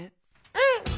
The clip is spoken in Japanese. うん！